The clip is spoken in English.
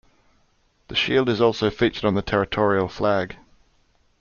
The shield is also featured on the territorial flag.